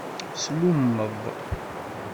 Slummeḍ.